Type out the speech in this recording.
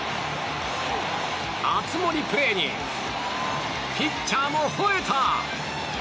熱盛プレーにピッチャーもほえた！